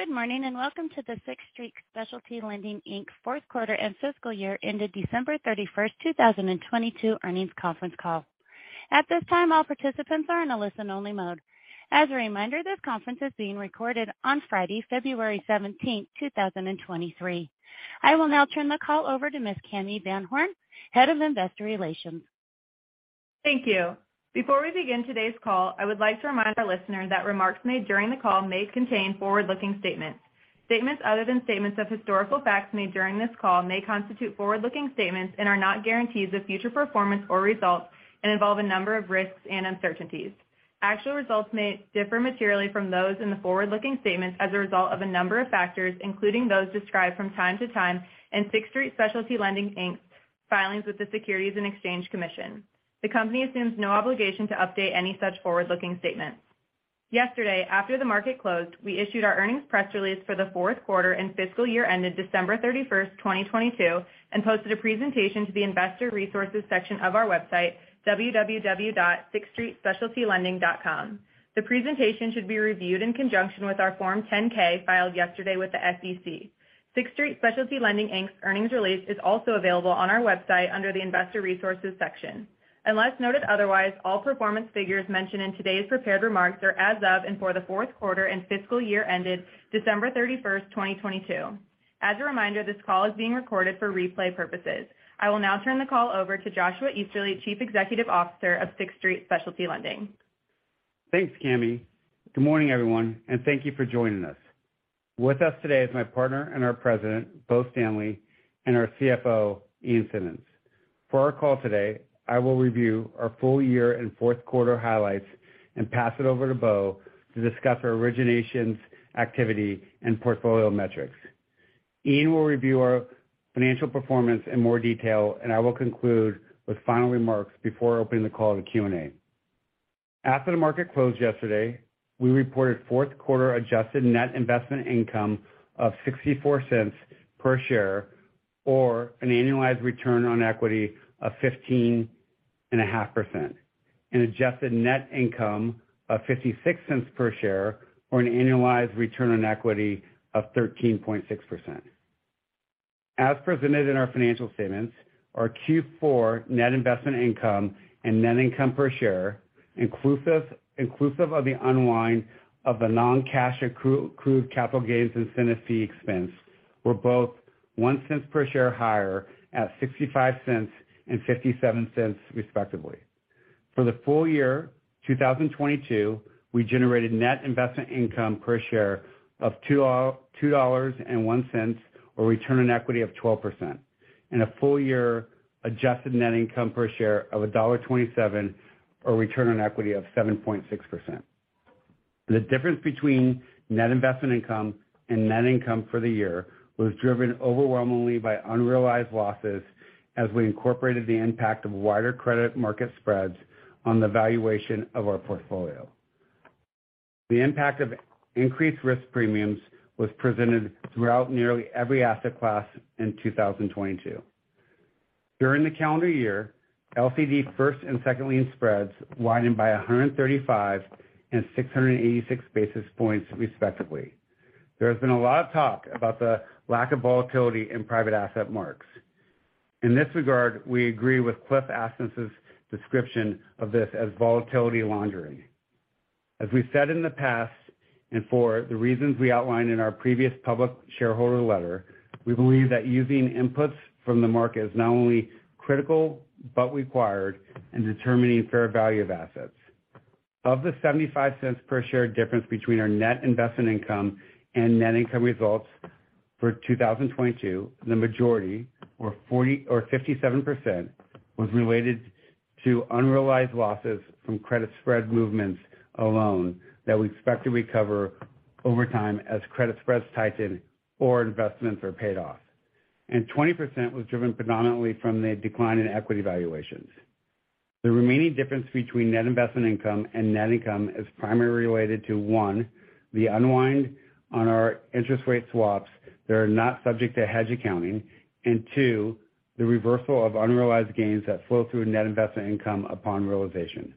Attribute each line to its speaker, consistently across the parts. Speaker 1: Good morning, welcome to the Sixth Street Specialty Lending, Inc. fourth quarter and fiscal year ended December 31st, 2022 earnings conference call. At this time, all participants are in a listen-only mode. As a reminder, this conference is being recorded on Friday, February 17th, 2023. I will now turn the call over to Ms. Cami VanHorn, Head of Investor Relations.
Speaker 2: Thank you. Before we begin today's call, I would like to remind our listeners that remarks made during the call may contain forward-looking statements. Statements other than statements of historical facts made during this call may constitute forward-looking statements and are not guarantees of future performance or results and involve a number of risks and uncertainties. Actual results may differ materially from those in the forward-looking statements as a result of a number of factors, including those described from time to time in Sixth Street Specialty Lending Inc.'s filings with the Securities and Exchange Commission. The company assumes no obligation to update any such forward-looking statements. Yesterday, after the market closed, we issued our earnings press release for the fourth quarter and fiscal year ended December 31st, 2022, and posted a presentation to the Investor Resources section of our website, www.sixthstreetspecialtylending.com. The presentation should be reviewed in conjunction with our Form 10-K filed yesterday with the SEC. Sixth Street Specialty Lending Inc's earnings release is also available on our website under the Investor Resources section. Unless noted otherwise, all performance figures mentioned in today's prepared remarks are as of and for the fourth quarter and fiscal year ended December 31st, 2022. As a reminder, this call is being recorded for replay purposes. I will now turn the call over to Joshua Easterly, Chief Executive Officer of Sixth Street Specialty Lending.
Speaker 3: Thanks, Cami. Good morning, everyone, and thank you for joining us. With us today is my partner and our President, Robert Stanley, and our CFO, Ian Simonson. For our call today, I will review our full year and fourth quarter highlights and pass it over to Bo to discuss our originations, activity, and portfolio metrics. Ian will review our financial performance in more detail, and I will conclude with final remarks before opening the call to Q&A. After the market closed yesterday, we reported fourth quarter adjusted net investment income of $0.64 per share or an annualized return on equity of 15.5%, an adjusted net income of $0.56 per share or an annualized return on equity of 13.6%. As presented in our financial statements, our Q4 net investment income and net income per share, inclusive of the unwind of the non-cash accrued capital gains incentive fee expense, were both $0.01 per share higher at $0.65 and $0.57, respectively. For the full year 2022, we generated net investment income per share of $2.01 or return on equity of 12% and a full year adjusted net income per share of $1.27 or return on equity of 7.6%. The difference between net investment income and net income for the year was driven overwhelmingly by unrealized losses as we incorporated the impact of wider credit market spreads on the valuation of our portfolio. The impact of increased risk premiums was presented throughout nearly every asset class in 2022. During the calendar year, LCD first and second lien spreads widened by 135 and 686 basis points, respectively. There has been a lot of talk about the lack of volatility in private asset marks. In this regard, we agree with Cliff Asness's description of this as volatility laundering. As we said in the past, for the reasons we outlined in our previous public shareholder letter, we believe that using inputs from the market is not only critical but required in determining fair value of assets. Of the $0.75 per share difference between our net investment income and net income results for 2022, the majority were 40% or 57%, was related to unrealized losses from credit spread movements alone that we expect to recover over time as credit spreads tighten or investments are paid off. Twenty percent was driven predominantly from the decline in equity valuations. The remaining difference between net investment income and net income is primarily related to, one, the unwind on our interest rate swaps that are not subject to hedge accounting, and two, the reversal of unrealized gains that flow through net investment income upon realization.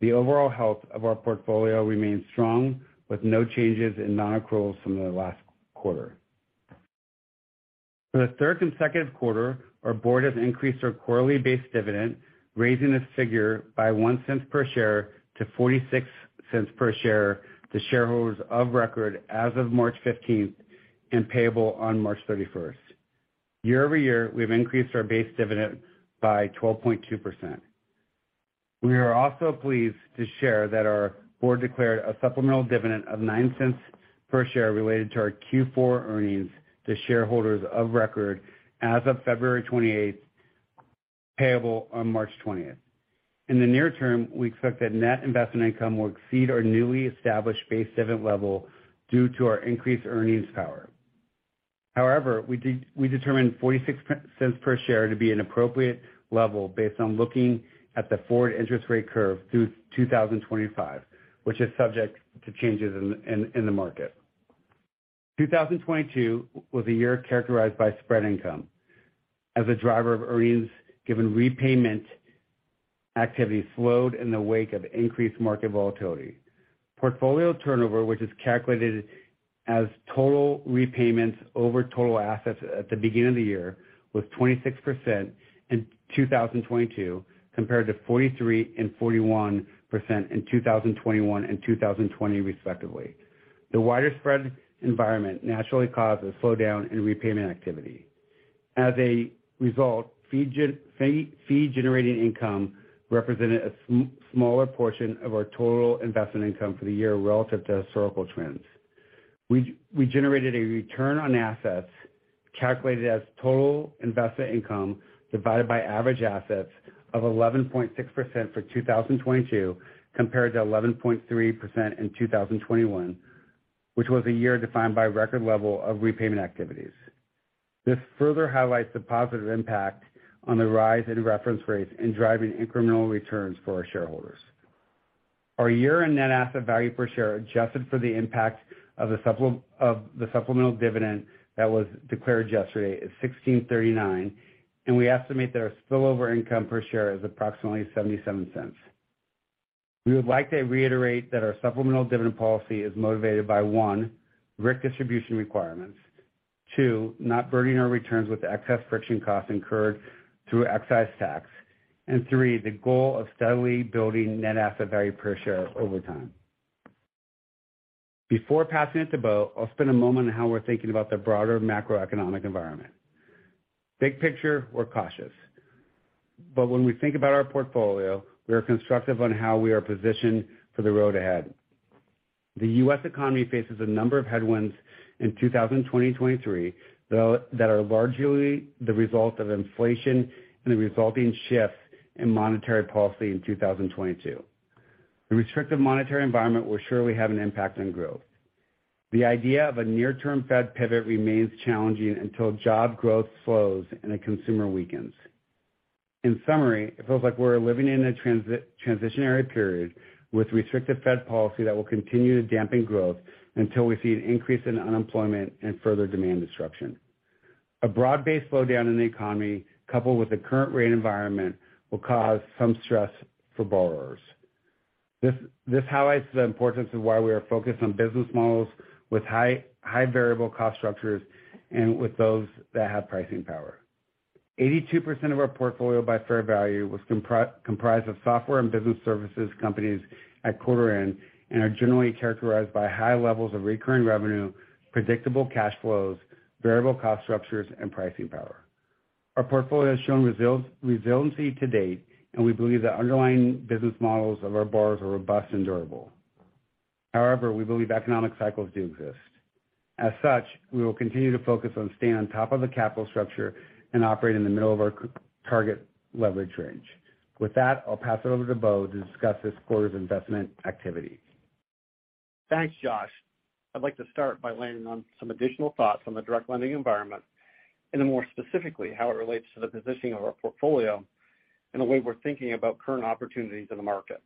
Speaker 3: The overall health of our portfolio remains strong, with no changes in non-accruals from the last quarter. For the third consecutive quarter, our board has increased our quarterly base dividend, raising this figure by $0.01 per share to $0.46 per share to shareholders of record as of March 15th and payable on March 31st. Year-over-year, we've increased our base dividend by 12.2%. We are also pleased to share that our board declared a supplemental dividend of $0.09 per share related to our Q4 earnings to shareholders of record as of February 28th, payable on March 20th. In the near term, we expect that net investment income will exceed our newly established base dividend level due to our increased earnings power. We determined $0.46 per share to be an appropriate level based on looking at the forward interest rate curve through 2025, which is subject to changes in the market. 2022 was a year characterized by spread income as a driver of earnings given repayment activity slowed in the wake of increased market volatility. Portfolio turnover, which is calculated as total repayments over total assets at the beginning of the year, was 26% in 2022, compared to 43% and 41% in 2021 and 2020 respectively. The wider spread environment naturally caused a slowdown in repayment activity. Fee generating income represented a smaller portion of our total investment income for the year relative to historical trends. We generated a return on assets calculated as total investment income divided by average assets of 11.6% for 2022, compared to 11.3% in 2021, which was a year defined by record level of repayment activities. This further highlights the positive impact on the rise in reference rates in driving incremental returns for our shareholders. Our year-end net asset value per share, adjusted for the impact of the supplemental dividend that was declared yesterday, is $16.39, and we estimate that our spillover income per share is approximately $0.77. We would like to reiterate that our supplemental dividend policy is motivated by, 1, risk distribution requirements, 2, not burdening our returns with excess friction costs incurred through excise tax, and 3, the goal of steadily building net asset value per share over time. Before passing it to Robert, I'll spend a moment on how we're thinking about the broader macroeconomic environment. Big picture, we're cautious. When we think about our portfolio, we are constructive on how we are positioned for the road ahead. The US economy faces a number of headwinds in 2020 and 2023 that are largely the result of inflation and the resulting shifts in monetary policy in 2022. The restrictive monetary environment will surely have an impact on growth. The idea of a near-term Fed pivot remains challenging until job growth slows and the consumer weakens. In summary, it feels like we're living in a transitionary period with restrictive Fed policy that will continue to dampen growth until we see an increase in unemployment and further demand disruption. A broad-based slowdown in the economy, coupled with the current rate environment, will cause some stress for borrowers. This highlights the importance of why we are focused on business models with high variable cost structures and with those that have pricing power. 82% of our portfolio by fair value was comprised of software and business services companies at quarter end, and are generally characterized by high levels of recurring revenue, predictable cash flows, variable cost structures, and pricing power. Our portfolio has shown resiliency to date, and we believe the underlying business models of our borrowers are robust and durable. However, we believe economic cycles do exist. As such, we will continue to focus on staying on top of the capital structure and operate in the middle of our target leverage range. With that, I'll pass it over to Robert to discuss this quarter's investment activity.
Speaker 4: Thanks, Josh. I'd like to start by landing on some additional thoughts on the direct lending environment, and then more specifically, how it relates to the positioning of our portfolio, and the way we're thinking about current opportunities in the market.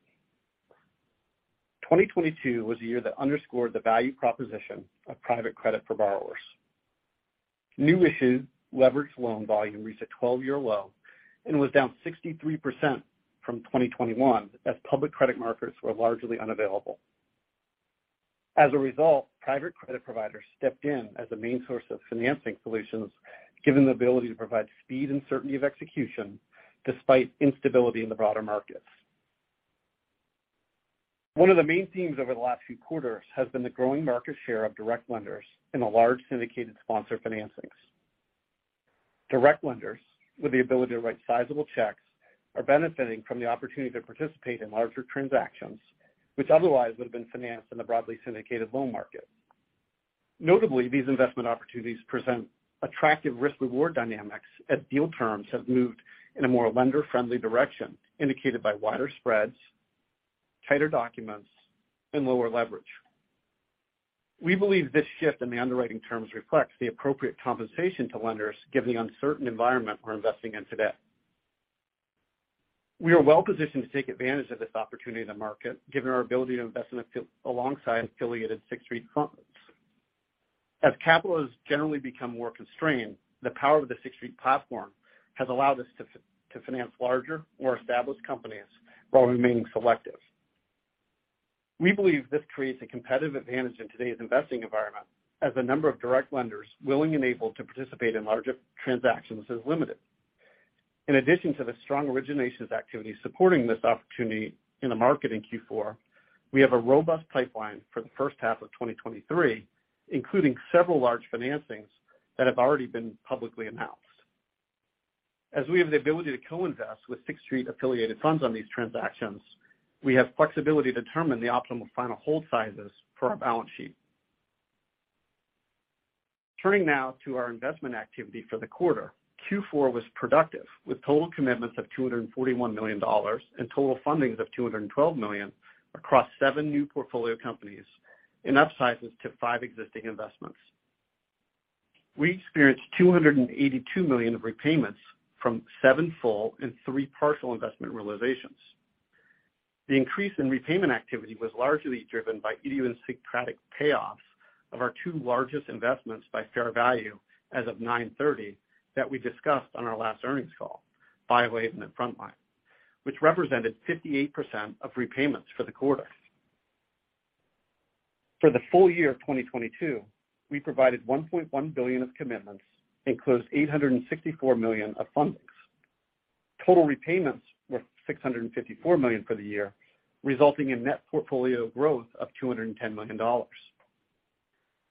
Speaker 4: 2022 was a year that underscored the value proposition of private credit for borrowers. New issued leverage loan volume reached a 12-year low and was down 63% from 2021 as public credit markets were largely unavailable. As a result, private credit providers stepped in as the main source of financing solutions, given the ability to provide speed and certainty of execution despite instability in the broader markets. One of the main themes over the last few quarters has been the growing market share of direct lenders in the large syndicated sponsor financings. Direct lenders with the ability to write sizable checks are benefiting from the opportunity to participate in larger transactions, which otherwise would have been financed in the broadly syndicated loan market. Notably, these investment opportunities present attractive risk-reward dynamics as deal terms have moved in a more lender-friendly direction, indicated by wider spreads, tighter documents, and lower leverage. We believe this shift in the underwriting terms reflects the appropriate compensation to lenders given the uncertain environment we're investing in today. We are well-positioned to take advantage of this opportunity in the market, given our ability to invest alongside affiliated Sixth Street funds. As capital has generally become more constrained, the power of the Sixth Street platform has allowed us to finance larger, more established companies while remaining selective. We believe this creates a competitive advantage in today's investing environment as the number of direct lenders willing and able to participate in larger transactions is limited. In addition to the strong originations activity supporting this opportunity in the market in Q4, we have a robust pipeline for the first half of 2023, including several large financings that have already been publicly announced. As we have the ability to co-invest with Sixth Street affiliated funds on these transactions, we have flexibility to determine the optimal final hold sizes for our balance sheet. Turning now to our investment activity for the quarter. Q4 was productive with total commitments of $241 million and total fundings of $212 million across seven new portfolio companies, and upsizes to five existing investments. We experienced $282 million of repayments from 7 full and 3 partial investment realizations. The increase in repayment activity was largely driven by idiosyncratic payoffs of our two largest investments by fair value as of 9/30 that we discussed on our last earnings call, Biohaven and then Frontline, which represented 58% of repayments for the quarter. For the full year of 2022, we provided $1.1 billion of commitments and closed $864 million of fundings. Total repayments were $654 million for the year, resulting in net portfolio growth of $210 million.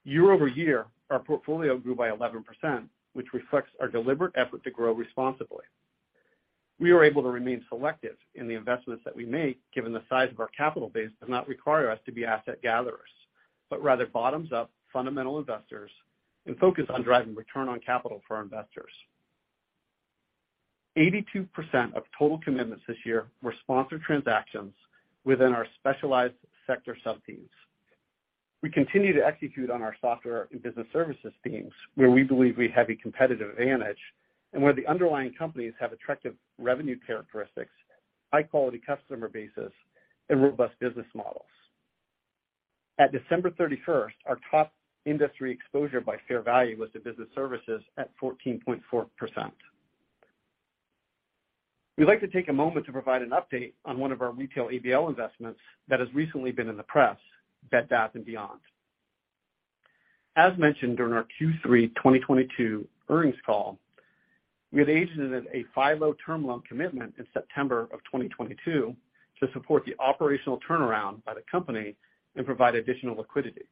Speaker 4: Year-over-year, our portfolio grew by 11%, which reflects our deliberate effort to grow responsibly. We were able to remain selective in the investments that we make, given the size of our capital base does not require us to be asset gatherers, but rather bottoms-up fundamental investors and focus on driving return on capital for our investors. 82% of total commitments this year were sponsored transactions within our specialized sector sub-teams. We continue to execute on our software and business services teams where we believe we have a competitive advantage and where the underlying companies have attractive revenue characteristics, high-quality customer bases, and robust business models. At December 31st, our top industry exposure by fair value was to business services at 14.4%. We'd like to take a moment to provide an update on one of our retail ABL investments that has recently been in the press, Bed Bath & Beyond. As mentioned during our Q3 2022 earnings call, we had agented a FILO term loan commitment in September of 2022 to support the operational turnaround by the company and provide additional liquidity.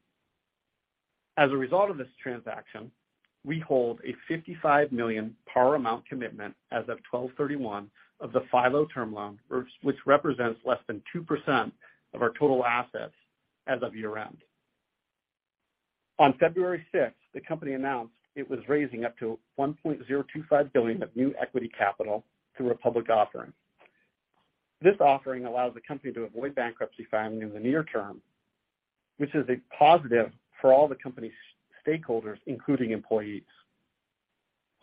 Speaker 4: As a result of this transaction, we hold a $55 million par amount commitment as of 12/31 of the FILO term loan, which represents less than 2% of our total assets as of year-end. On February 6, the company announced it was raising up to $1.025 billion of new equity capital through a public offering. This offering allows the company to avoid bankruptcy filing in the near term, which is a positive for all the company's stakeholders, including employees.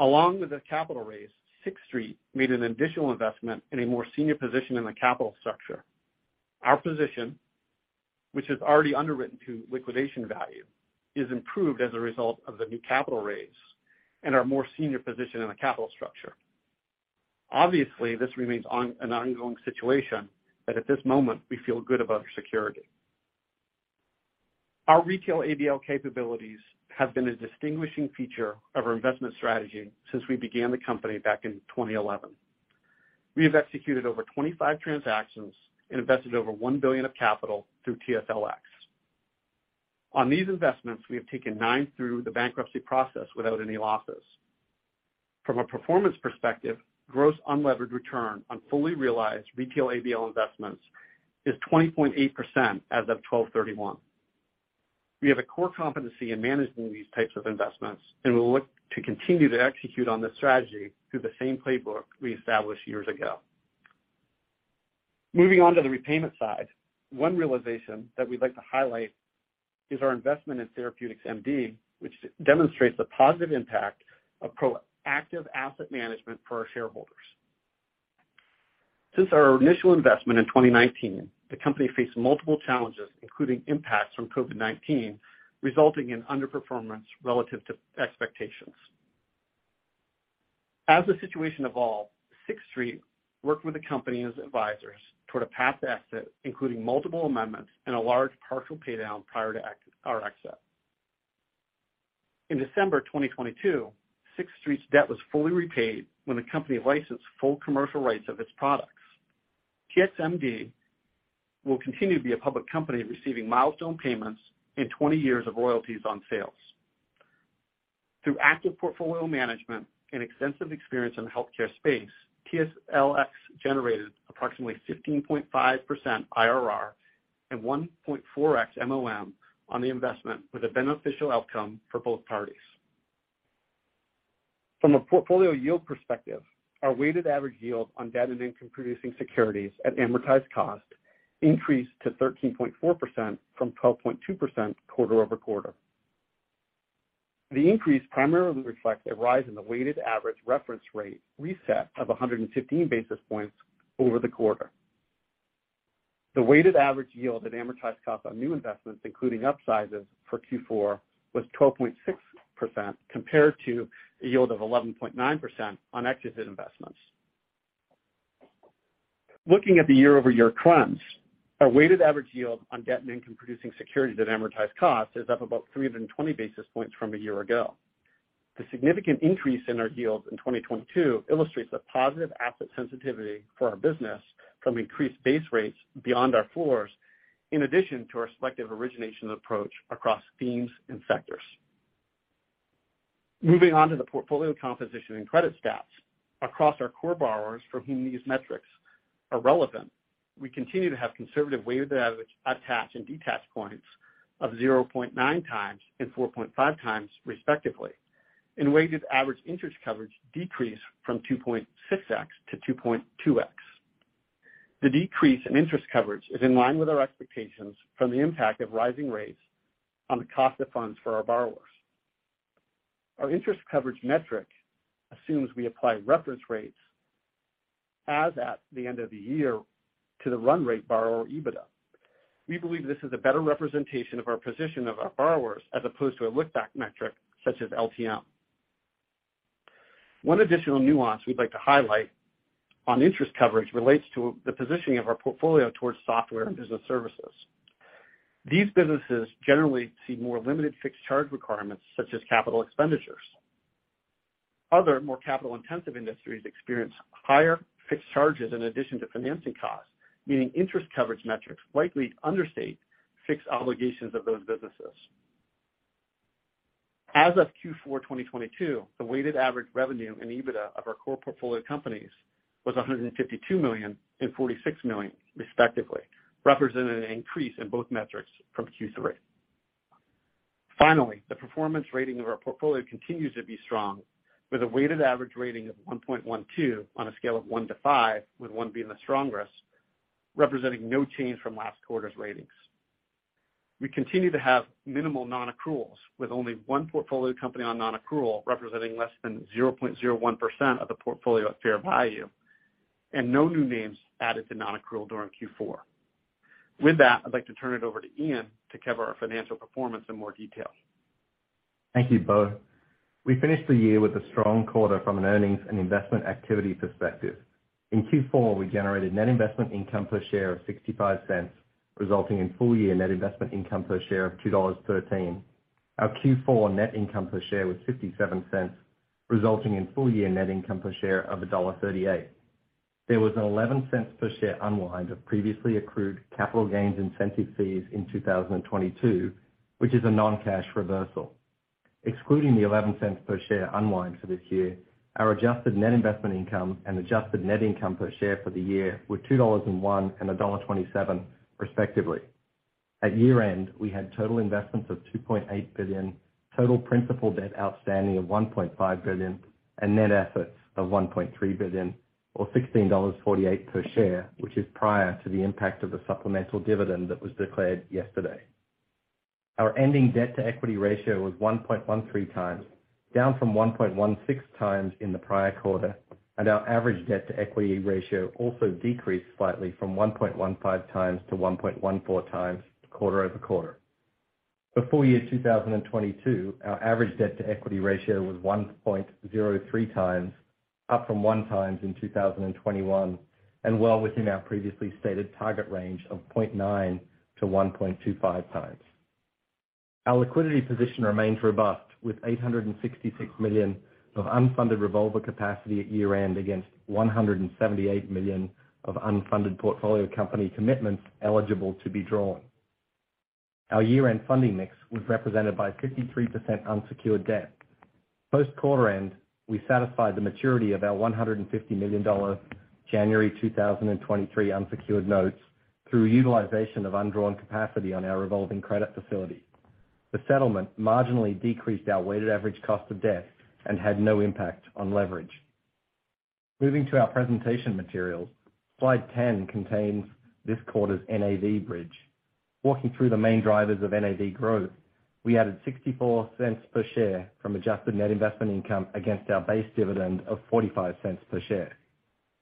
Speaker 4: Along with the capital raise, Sixth Street made an additional investment in a more senior position in the capital structure. Our position, which is already underwritten to liquidation value, is improved as a result of the new capital raise and our more senior position in the capital structure. Obviously, this remains an ongoing situation, but at this moment, we feel good about our security. Our retail ABL capabilities have been a distinguishing feature of our investment strategy since we began the company back in 2011. We have executed over 25 transactions and invested over $1 billion of capital through TSLX. On these investments, we have taken 9 through the bankruptcy process without any losses. From a performance perspective, gross unlevered return on fully realized retail ABL investments is 20.8% as of 12/31. We have a core competency in managing these types of investments, and we look to continue to execute on this strategy through the same playbook we established years ago. Moving on to the repayment side, one realization that we'd like to highlight is our investment in TherapeuticsMD, which demonstrates the positive impact of proactive asset management for our shareholders. Since our initial investment in 2019, the company faced multiple challenges, including impacts from COVID-19, resulting in underperformance relative to expectations. As the situation evolved, Sixth Street worked with the company's advisors toward a path to exit, including multiple amendments and a large partial paydown prior to our exit. In December 2022, Sixth Street's debt was fully repaid when the company licensed full commercial rights of its products. TSMD will continue to be a public company receiving milestone payments and 20 years of royalties on sales. Through active portfolio management and extensive experience in the healthcare space, TSLX generated approximately 15.5% IRR and 1.4x MOM on the investment with a beneficial outcome for both parties. From a portfolio yield perspective, our weighted average yield on debt and income-producing securities at amortized cost increased to 13.4% from 12.2% quarter-over-quarter. The increase primarily reflects a rise in the weighted average reference rate reset of 115 basis points over the quarter. The weighted average yield at amortized cost on new investments, including upsizes for Q4, was 12.6% compared to a yield of 11.9% on exited investments. Looking at the year-over-year trends, our weighted average yield on debt and income-producing securities at amortized cost is up about 320 basis points from a year ago. The significant increase in our yields in 2022 illustrates the positive asset sensitivity for our business from increased base rates beyond our floors, in addition to our selective origination approach across themes and sectors. Moving on to the portfolio composition and credit stats. Across our core borrowers for whom these metrics are relevant, we continue to have conservative weighted average attached and detached points of 0.9x and 4.5x respectively, and weighted average interest coverage decreased from 2.6x to 2.2x. The decrease in interest coverage is in line with our expectations from the impact of rising rates on the cost of funds for our borrowers. Our interest coverage metric assumes we apply reference rates as at the end of the year to the run rate borrower EBITDA. We believe this is a better representation of our position of our borrowers as opposed to a look-back metric such as LTM. One additional nuance we'd like to highlight on interest coverage relates to the positioning of our portfolio towards software and business services. These businesses generally see more limited fixed charge requirements such as capital expenditures. Other more capital-intensive industries experience higher fixed charges in addition to financing costs, meaning interest coverage metrics likely understate fixed obligations of those businesses. As of Q4 2022, the weighted average revenue and EBITDA of our core portfolio companies was $152 million and $46 million respectively, representing an increase in both metrics from Q3. Finally, the performance rating of our portfolio continues to be strong with a weighted average rating of 1.12 on a scale of 1 to 5, with 1 being the strongest, representing no change from last quarter's ratings. We continue to have minimal non-accruals, with only one portfolio company on non-accrual representing less than 0.01% of the portfolio at fair value, and no new names added to non-accrual during Q4. With that, I'd like to turn it over to Ian to cover our financial performance in more detail.
Speaker 5: Thank you, Robert. We finished the year with a strong quarter from an earnings and investment activity perspective. In Q4, we generated net investment income per share of $0.65, resulting in full year net investment income per share of $2.13. Our Q4 net income per share was $0.57, resulting in full year net income per share of $1.38. There was an $0.11 per share unwind of previously accrued capital gains incentive fees in 2022, which is a non-cash reversal. Excluding the $0.11 per share unwind for this year, our adjusted net investment income and adjusted net income per share for the year were $2.01 and $1.27, respectively. At year-end, we had total investments of $2.8 billion, total principal debt outstanding of $1.5 billion, and net assets of $1.3 billion or $16.48 per share, which is prior to the impact of the supplemental dividend that was declared yesterday. Our ending debt to equity ratio was 1.13 times, down from 1.16 times in the prior quarter, and our average debt to equity ratio also decreased slightly from 1.15 times to 1.14 times quarter-over-quarter. For full year 2022, our average debt to equity ratio was 1.03 times, up from 1 times in 2021, and well within our previously stated target range of 0.9 times-1.25 times. Our liquidity position remains robust with $866 million of unfunded revolver capacity at year-end against $178 million of unfunded portfolio company commitments eligible to be drawn. Our year-end funding mix was represented by 53% unsecured debt. Post quarter end, we satisfied the maturity of our $150 million January 2023 unsecured notes through utilization of undrawn capacity on our revolving credit facility. The settlement marginally decreased our weighted average cost of debt and had no impact on leverage. Moving to our presentation materials. Slide 10 contains this quarter's NAV bridge. Walking through the main drivers of NAV growth, we added $0.64 per share from adjusted net investment income against our base dividend of $0.45 per share.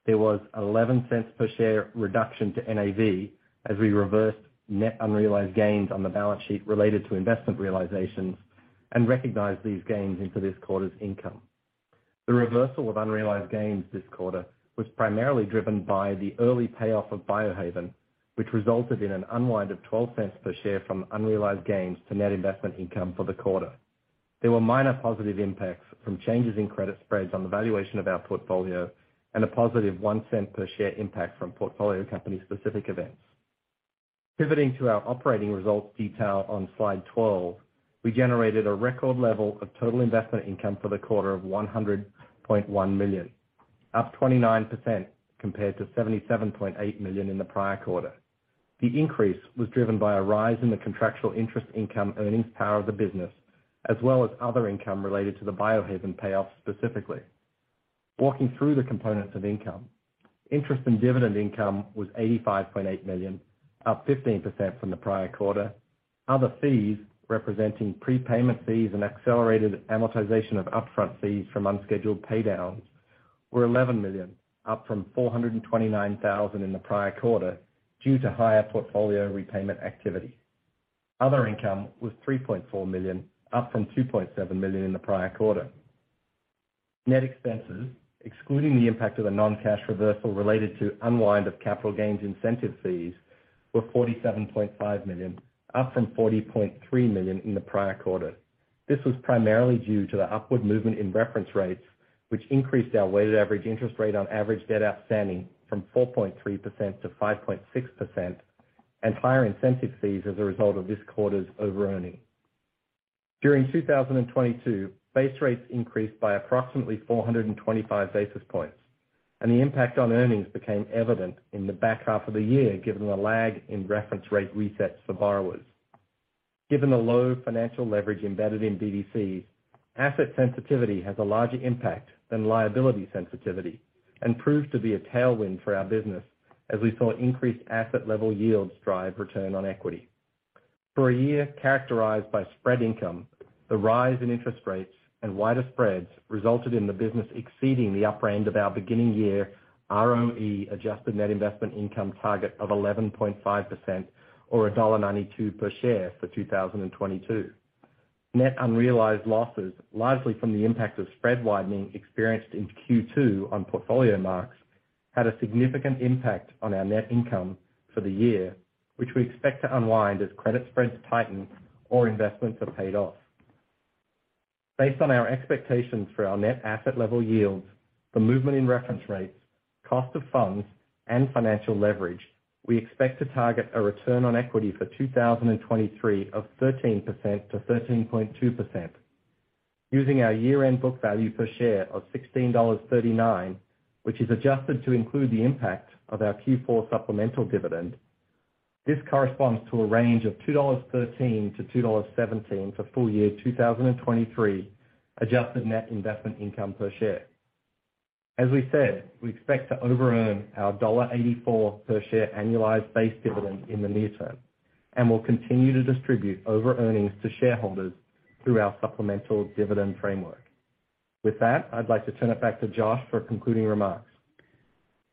Speaker 5: There was $0.11 per share reduction to NAV as we reversed net unrealized gains on the balance sheet related to investment realizations and recognized these gains into this quarter's income. The reversal of unrealized gains this quarter was primarily driven by the early payoff of Biohaven, which resulted in an unwind of $0.12 per share from unrealized gains to net investment income for the quarter. There were minor positive impacts from changes in credit spreads on the valuation of our portfolio and a positive $0.01 per share impact from portfolio company-specific events. Pivoting to our operating results detail on slide 12, we generated a record level of total investment income for the quarter of $100.1 million, up 29% compared to $77.8 million in the prior quarter. The increase was driven by a rise in the contractual interest income earnings power of the business, as well as other income related to the Biohaven payoffs specifically. Walking through the components of income, interest in dividend income was $85.8 million, up 15% from the prior quarter. Other fees representing prepayment fees and accelerated amortization of upfront fees from unscheduled pay downs were $11 million, up from $429,000 in the prior quarter due to higher portfolio repayment activity. Other income was $3.4 million, up from $2.7 million in the prior quarter. Net expenses, excluding the impact of the non-cash reversal related to unwind of capital gains incentive fees, were $47.5 million, up from $40.3 million in the prior quarter. This was primarily due to the upward movement in reference rates, which increased our weighted average interest rate on average debt outstanding from 4.3% to 5.6% and higher incentive fees as a result of this quarter's overearning. During 2022, base rates increased by approximately 425 basis points, the impact on earnings became evident in the back half of the year, given the lag in reference rate resets for borrowers. Given the low financial leverage embedded in BDC, asset sensitivity has a larger impact than liability sensitivity and proved to be a tailwind for our business as we saw increased asset level yields drive return on equity. For a year characterized by spread income, the rise in interest rates and wider spreads resulted in the business exceeding the upper end of our beginning year ROE adjusted net investment income target of 11.5% or $1.92 per share for 2022. Net unrealized losses, largely from the impact of spread widening experienced in Q2 on portfolio marks, had a significant impact on our net income for the year, which we expect to unwind as credit spreads tighten or investments are paid off. Based on our expectations for our net asset level yields, the movement in reference rates, cost of funds, and financial leverage, we expect to target a return on equity for 2023 of 13%-13.2%. Using our year-end book value per share of $16.39, which is adjusted to include the impact of our Q4 supplemental dividend. This corresponds to a range of $2.13 to $2.17 for full year 2023 adjusted net investment income per share. As we said, we expect to over earn our $1.84 per share annualized base dividend in the near term, and we'll continue to distribute over earnings to shareholders through our supplemental dividend framework. With that, I'd like to turn it back to Josh for concluding remarks.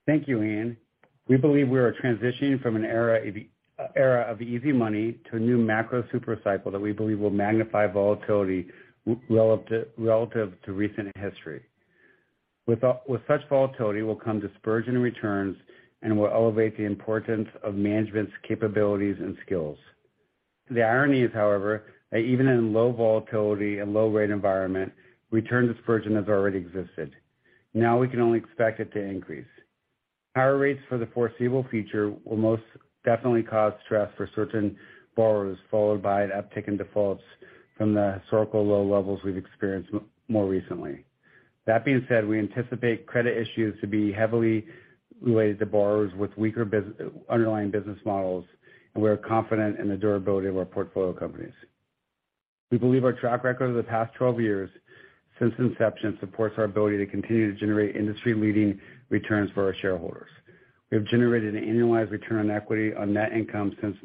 Speaker 3: Thank you, Ian. We believe we are transitioning from an era of easy money to a new macro super cycle that we believe will magnify volatility relative to recent history. With such volatility will come dispersion in returns and will elevate the importance of management's capabilities and skills. The irony is, however, that even in low volatility and low rate environment, return dispersion has already existed. Now we can only expect it to increase. Higher rates for the foreseeable future will most definitely cause stress for certain borrowers, followed by an uptick in defaults from the historical low levels we've experienced more recently. That being said, we anticipate credit issues to be heavily related to borrowers with weaker underlying business models, and we are confident in the durability of our portfolio companies. We believe our track record of the past 12 years since inception supports our ability to continue to generate industry-leading returns for our shareholders. We have generated an annualized return on equity on net income since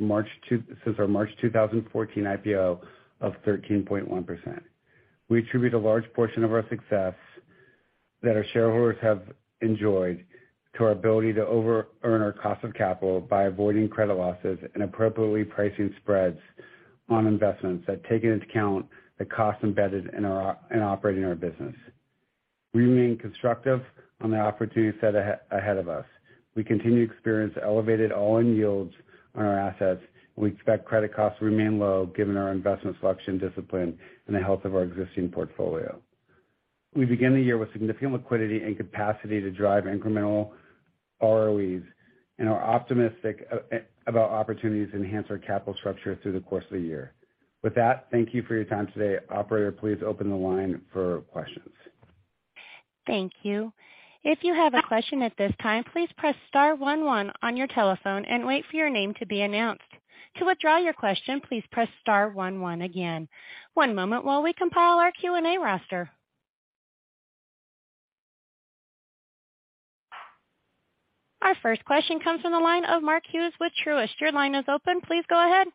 Speaker 3: our March 2014 IPO of 13.1%. We attribute a large portion of our success that our shareholders have enjoyed to our ability to over earn our cost of capital by avoiding credit losses and appropriately pricing spreads on investments that take into account the cost embedded in operating our business. We remain constructive on the opportunity set ahead of us. We continue to experience elevated all-in yields on our assets, and we expect credit costs to remain low, given our investment selection discipline and the health of our existing portfolio. We begin the year with significant liquidity and capacity to drive incremental ROEs, and are optimistic about opportunities to enhance our capital structure through the course of the year. With that, thank you for your time today. Operator, please open the line for questions.
Speaker 1: Thank you. If you have a question at this time, please press star one one on your telephone and wait for your name to be announced. To withdraw your question, please press star one one again. One moment while we compile our Q&A roster. Our first question comes from the line of Mark Hughes with Truist. Your line is open. Please go ahead.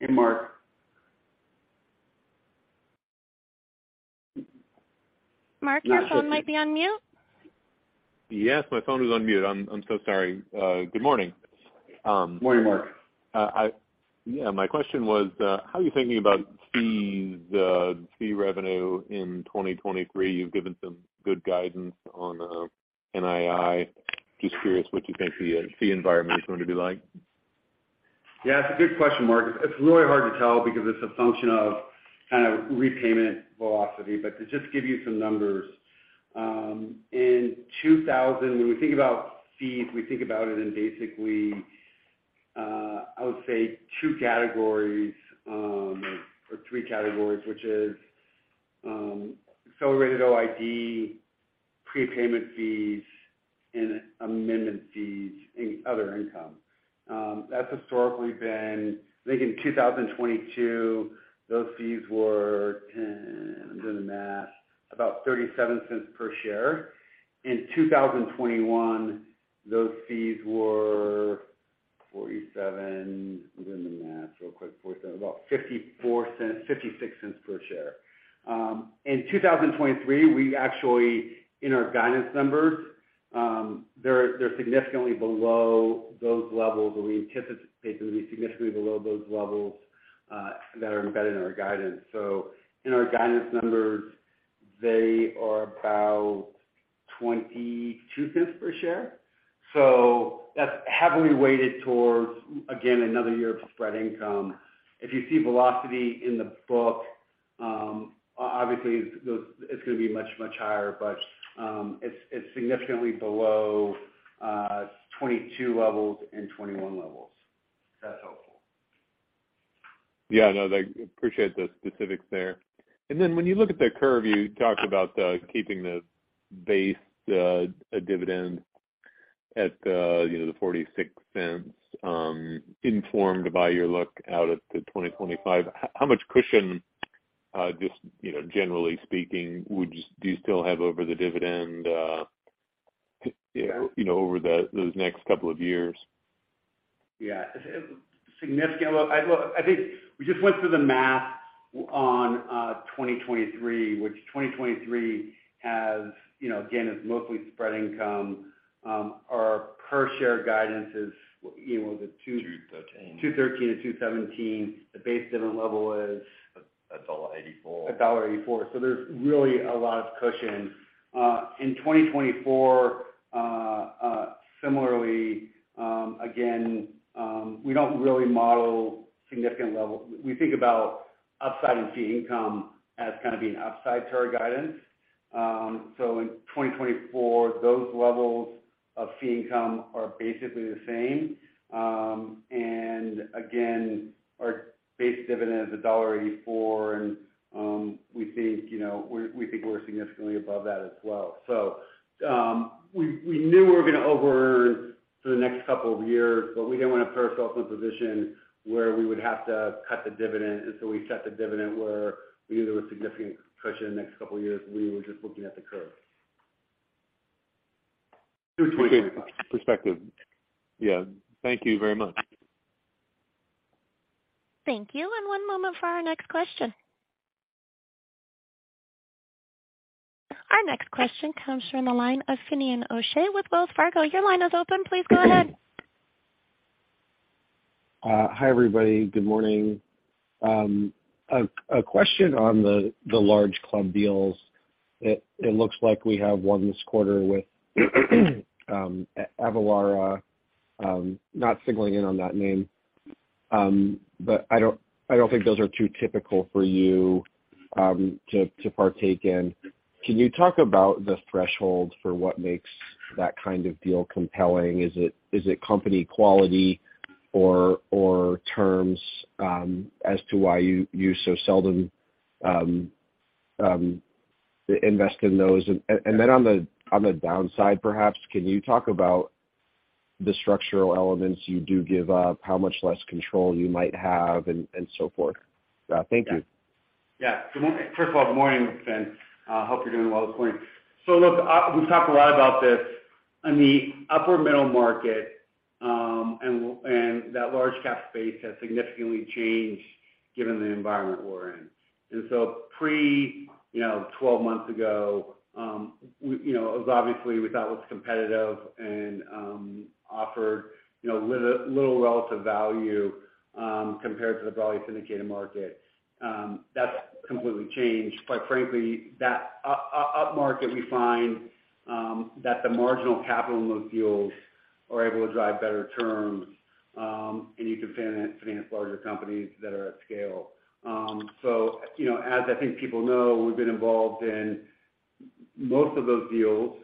Speaker 3: Hey, Mark.
Speaker 1: Mark, your phone might be on mute.
Speaker 6: Yes, my phone was on mute. I'm so sorry. Good morning.
Speaker 3: Morning, Mark.
Speaker 6: Yeah, my question was, how are you thinking about fees, fee revenue in 2023? You've given some good guidance on NII. Just curious what you think the fee environment is going to be like.
Speaker 3: Yeah, it's a good question, Mark. It's really hard to tell because it's a function of kind of repayment velocity. But to just give you some numbers, in 2,000, when we think about fees, we think about it in basically, I would say 2 categories, or 3 categories, which is accelerated OID, prepayment fees, and amendment fees and other income. That's historically been, I think in 2022, those fees were, let me do the math, about $0.37 per share. In 2021, those fees were 47, let me do the math real quick. 47, about $0.54, $0.56 per share. In 2023, we actually, in our guidance numbers, they're significantly below those levels, or we anticipate them to be significantly below those levels, that are embedded in our guidance. In our guidance numbers, they are about $0.22 per share. That's heavily weighted towards, again, another year of spread income. If you see velocity in the book, it's gonna be much, much higher. It's significantly below 22 levels and 21 levels if that's helpful.
Speaker 6: Yeah. No, I appreciate the specifics there. Then when you look at the curve, you talked about keeping the base dividend at the, you know, the $0.46, informed by your look out at 2025, how much cushion, just, you know, generally speaking, do you still have over the dividend, you know, over those next couple of years?
Speaker 3: Yeah. Significant. Well, I think we just went through the math on 2023, which 2023 has, you know, again, it's mostly spread income. Our per share guidance is, you know.
Speaker 4: 213.
Speaker 3: $2.13-$2.17. The base dividend level is?
Speaker 4: $1.84.
Speaker 3: $1.84. There's really a lot of cushion. In 2024, similarly, again, we don't really model significant levels. We think about upside in fee income as kind of being upside to our guidance. In 2024, those levels of fee income are basically the same. Again, our base dividend is $1.84. We think, you know, we think we're significantly above that as well. We knew we were going to overearn for the next couple of years, but we didn't want to put ourselves in a position where we would have to cut the dividend. We set the dividend where we knew there was significant cushion the next couple of years, and we were just looking at the curve.
Speaker 6: Good perspective. Yeah. Thank you very much.
Speaker 1: Thank you. One moment for our next question. Our next question comes from the line of Finian O'Shea with Wells Fargo. Your line is open. Please go ahead.
Speaker 7: Hi, everybody. Good morning. A question on the large club deals. It looks like we have one this quarter with Avalara. Not singling in on that name. I don't think those are too typical for you to partake in. Can you talk about the threshold for what makes that kind of deal compelling? Is it company quality or terms as to why you so seldom invest in those? Then on the downside, perhaps, can you talk about the structural elements you do give up? How much less control you might have and so forth? Thank you.
Speaker 3: Yeah. First of all, good morning, Fin. hope you're doing well this morning. look, we've talked a lot about this. In the upper middle market, and that large cap space has significantly changed given the environment we're in. pre, you know, 12 months ago, we, you know, it was obviously we thought was competitive and, offered, you know, little relative value, compared to the broadly syndicated market. that's completely changed. Quite frankly, that upmarket we find, that the marginal capital in those deals are able to drive better terms, and you can finance larger companies that are at scale. so, you know, as I think people know, we've been involved in most of those deals,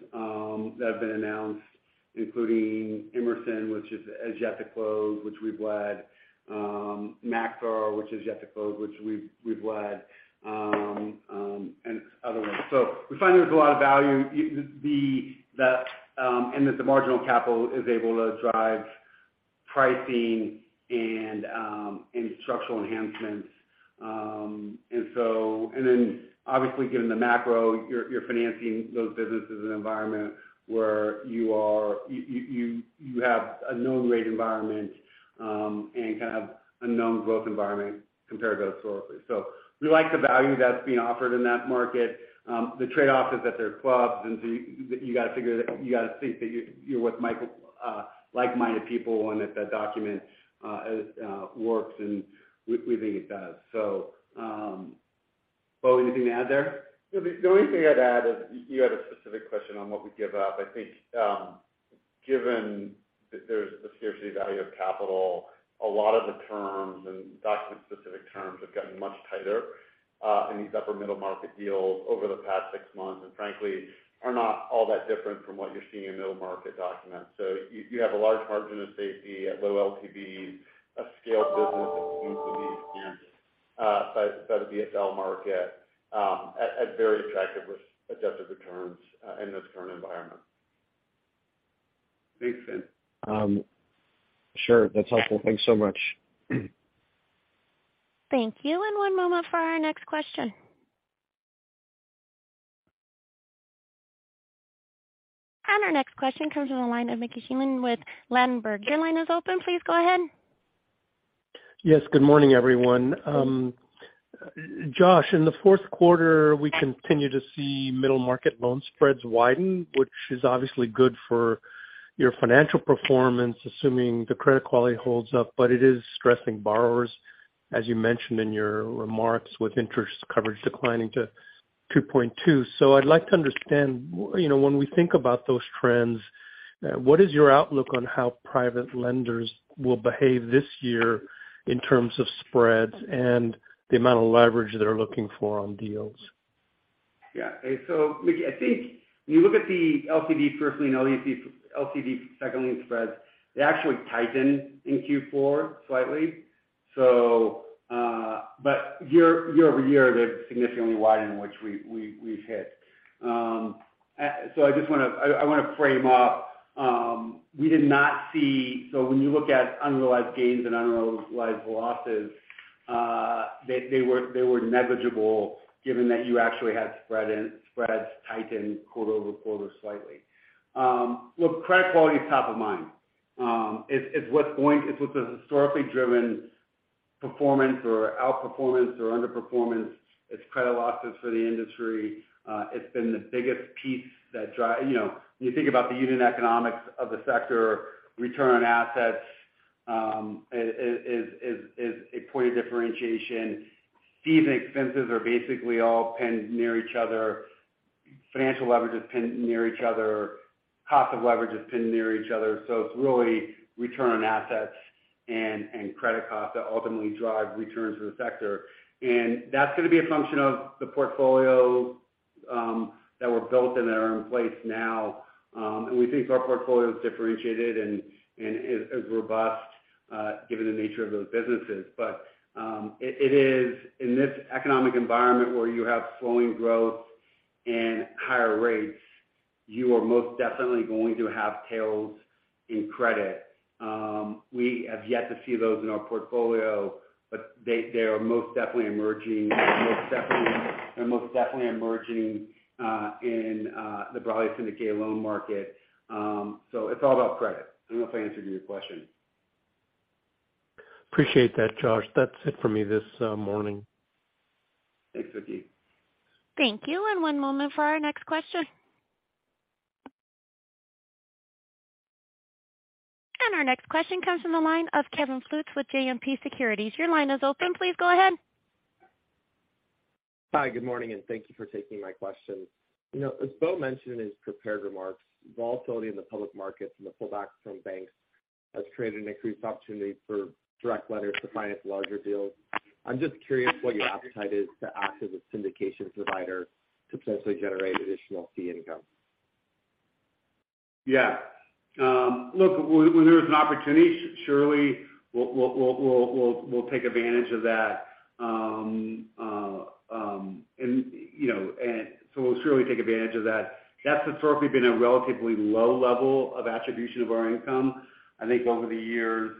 Speaker 3: that have been announced, including Emerson, which is, has yet to close, which we've led. Maxar, which has yet to close, which we've led and other ones. We find there's a lot of value, and that the marginal capital is able to drive pricing and structural enhancements. Obviously, given the macro, you're financing those businesses in an environment where you have a known rate environment and kind of a known growth environment compared to those sources. We like the value that's being offered in that market. The trade-off is that they're clubs, you gotta think that you're with like-minded people and that that document works, and we think it does. Bo, anything to add there?
Speaker 4: The only thing I'd add is you had a specific question on what we give up. I think, given that there's a scarcity value of capital, a lot of the terms and document-specific terms have gotten much tighter in these upper middle market deals over the past six months, and frankly, are not all that different from what you're seeing in middle market documents. You have a large margin of safety at low LTVs, a scaled business that's been completely experienced by the BSL market at very attractive risk-adjusted returns in this current environment.
Speaker 3: Thanks, Fin.
Speaker 7: Sure. That's helpful. Thanks so much.
Speaker 1: Thank you. One moment for our next question. Our next question comes from the line of Mickey Schleien with Ladenburg. Your line is open. Please go ahead.
Speaker 8: Yes, good morning, everyone. Josh, in the fourth quarter, we continue to see middle market loan spreads widen, which is obviously good for your financial performance, assuming the credit quality holds up. It is stressing borrowers, as you mentioned in your remarks, with interest coverage declining to 2.2. I'd like to understand, you know, when we think about those trends, what is your outlook on how private lenders will behave this year in terms of spreads and the amount of leverage they're looking for on deals?
Speaker 3: Yeah. Mickey, I think when you look at the LCD first lien, LCD second lien spreads, they actually tightened in Q4 slightly. Year-over-year, they're significantly widened, which we've hit. I just want to frame up, we did not see when you look at unrealized gains and unrealized losses, they were negligible given that you actually had spreads tightened quarter-over-quarter slightly. Look, credit quality is top of mind. It's what's historically driven performance or outperformance or underperformance. It's credit losses for the industry. It's been the biggest piece that drive. You know, when you think about the unit economics of the sector, return on assets, is a point of differentiation. Fees and expenses are basically all pinned near each other. Financial leverage is pinned near each other. Cost of leverage is pinned near each other. It's really return on assets and credit costs that ultimately drive returns for the sector. That's gonna be a function of the portfolio that were built and that are in place now. We think our portfolio is differentiated and is robust given the nature of those businesses. It, it is in this economic environment where you have slowing growth and higher rates, you are most definitely going to have tails in credit. We have yet to see those in our portfolio, but they are most definitely emerging, most definitely, they're most definitely emerging in the broadly syndicated loan market. It's all about credit. I don't know if I answered your question.
Speaker 8: Appreciate that, Josh. That's it for me this morning.
Speaker 3: Thanks, Mickey.
Speaker 1: Thank you. One moment for our next question. Our next question comes from the line of Kevin Fultz with JMP Securities. Your line is open. Please go ahead.
Speaker 9: Hi, good morning, and thank you for taking my question. You know, as Bo mentioned in his prepared remarks, volatility in the public markets and the pullbacks from banks has created an increased opportunity for direct lenders to finance larger deals. I'm just curious what your appetite is to act as a syndication provider to potentially generate additional fee income.
Speaker 3: Yeah. Look, when there's an opportunity, surely we'll take advantage of that. You know, we'll surely take advantage of that. That's historically been a relatively low level of attribution of our income. I think over the years,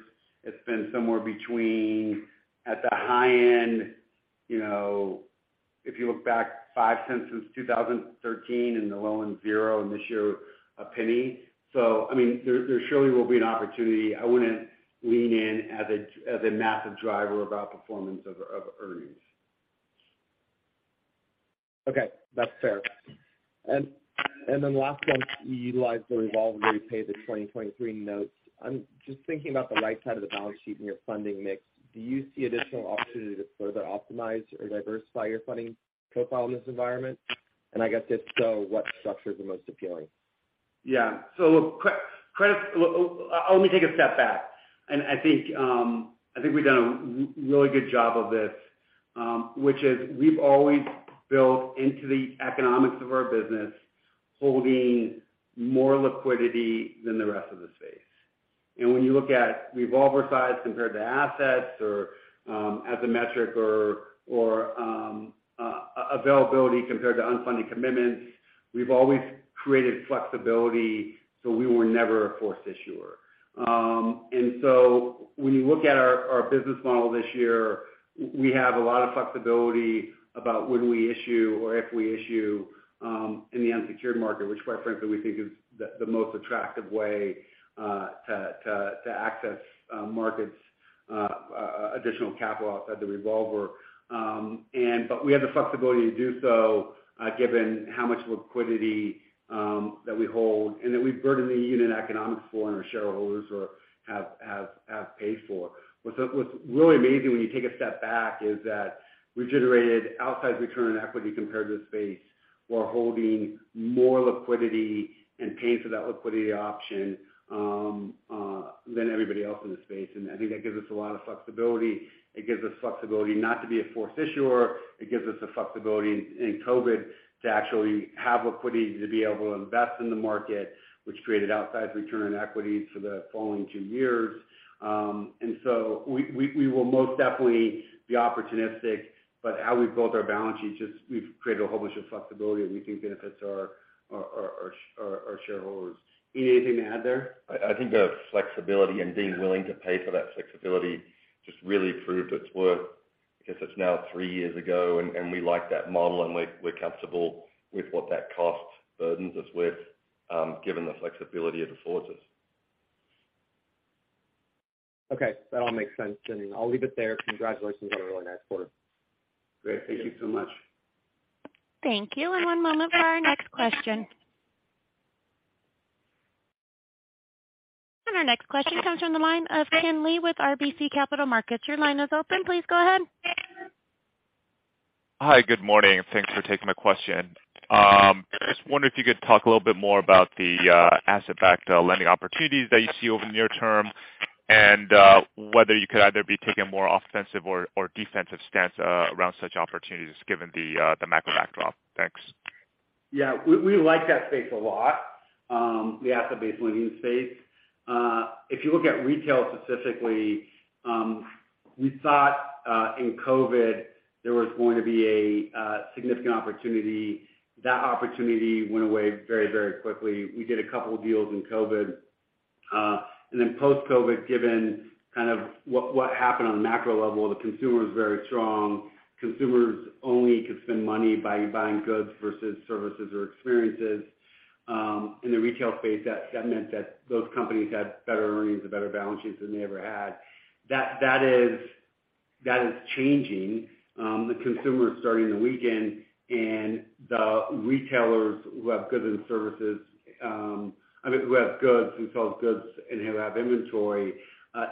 Speaker 3: it's been somewhere between, at the high end, you know, if you look back $0.05 since 2013 and the low end 0 and this year $0.01. I mean, there surely will be an opportunity. I wouldn't lean in as a massive driver of outperformance of earnings.
Speaker 9: Okay. That's fair. Then last one, you utilized the revolver to repay the 2023 notes. I'm just thinking about the right side of the balance sheet and your funding mix. Do you see additional opportunity to further optimize or diversify your funding profile in this environment? I guess if so, what structure is the most appealing?
Speaker 3: Yeah. Look, credit, let me take a step back. I think we've done a really good job of this, which is we've always built into the economics of our business, holding more liquidity than the rest of the space. When you look at revolver size compared to assets or as a metric or availability compared to unfunded commitments, we've always created flexibility, so we were never a forced issuer. When you look at our business model this year, we have a lot of flexibility about when we issue or if we issue in the unsecured market, which quite frankly, we think is the most attractive way to access markets additional capital outside the revolver. We have the flexibility to do so, given how much liquidity that we hold and that we burden the unit economics for and our shareholders are have paid for. What's really amazing when you take a step back is that we generated outsized return on equity compared to the space while holding more liquidity and paying for that liquidity option than everybody else in the space. I think that gives us a lot of flexibility. It gives us flexibility not to be a forced issuer. It gives us the flexibility in COVID to actually have liquidity to be able to invest in the market, which created outsized return on equity for the following two years. We will most definitely be opportunistic about how we've built our balance sheet, just we've created a whole bunch of flexibility that we think benefits our shareholders. Ian, anything to add there?
Speaker 5: I think the flexibility and being willing to pay for that flexibility just really proved its worth because it's now 3 years ago. We like that model, and we're comfortable with what that cost burdens us with, given the flexibility it affords us.
Speaker 9: Okay, that all makes sense. I'll leave it there. Congratulations on a really nice quarter.
Speaker 3: Great. Thank you so much.
Speaker 1: Thank you. One moment for our next question. Our next question comes from the line of Kenneth Lee with RBC Capital Markets. Your line is open. Please go ahead.
Speaker 10: Hi, good morning, and thanks for taking my question. I just wonder if you could talk a little bit more about the asset-backed lending opportunities that you see over the near term and whether you could either be taking a more offensive or defensive stance around such opportunities given the macro backdrop. Thanks.
Speaker 3: Yeah, we like that space a lot, the asset-based lending space. If you look at retail specifically, we thought in COVID, there was going to be a significant opportunity. That opportunity went away very quickly. We did a couple of deals in COVID. Then post-COVID, given kind of what happened on the macro level, the consumer is very strong. Consumers only could spend money by buying goods versus services or experiences. In the retail space, that meant that those companies had better earnings and better balance sheets than they ever had. That is changing. The consumer is starting to weaken and the retailers who have goods and services, I mean, who have goods, who sell goods and who have inventory,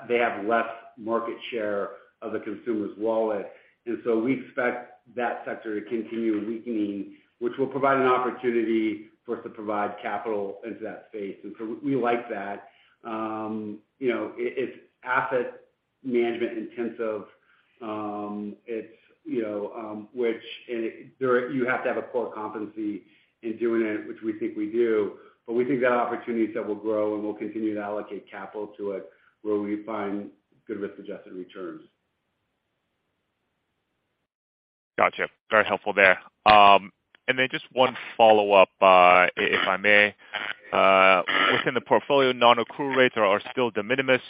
Speaker 3: they have less market share of the consumer's wallet. We expect that sector to continue weakening, which will provide an opportunity for us to provide capital into that space. We like that. You know, it's asset management intensive. It's, you know, you have to have a core competency in doing it, which we think we do. We think that opportunity set will grow, and we'll continue to allocate capital to it where we find good risk-adjusted returns.
Speaker 4: Gotcha. Very helpful there. Just one follow-up, if I may. Within the portfolio, non-accrual rates are still de minimis.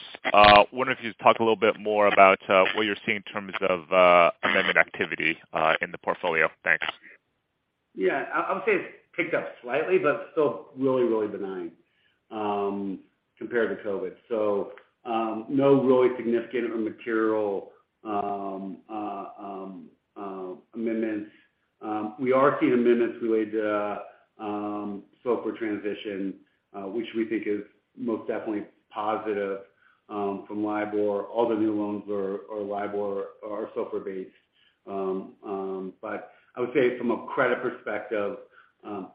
Speaker 4: Wondering if you could talk a little bit more about what you're seeing in terms of amendment activity in the portfolio. Thanks.
Speaker 3: I would say it's picked up slightly, but still really, really benign, compared to COVID. No really significant or material amendments. We are seeing amendments related to SOFR transition, which we think is most definitely positive, from LIBOR. All the new loans are LIBOR or SOFR based. I would say from a credit perspective,